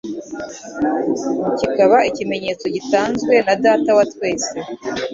kikaba ikimenyetso gitanzwe na Data wa twese